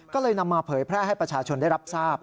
ก็เลยนำมาเผยแพร่ให้ประชาชนได้รับทราบ